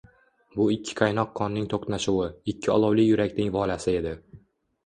Bu ikki qaynoq qonning toʻqnashuvi, ikki olovli yurakning volasi edi.